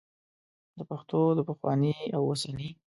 د پښتو د پخواني او اوسني